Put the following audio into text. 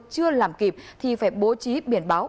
chưa làm kịp thì phải bố trí biển báo